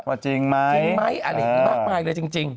ว่าจริงไหมอะไรนึกมากไปเลยจริง